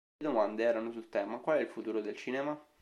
Le domande erano sul tema "Qual è il futuro del cinema?